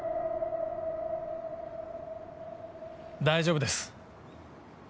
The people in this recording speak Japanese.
大丈夫です。